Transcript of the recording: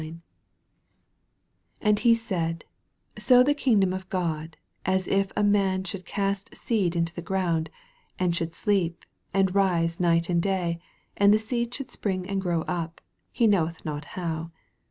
26 And he said, So is the kingdom of God, as if a man should cast seed into the ground ; 27 And should sleep, and rise night and day, and the seed should spring and grow up, he knoweth not how.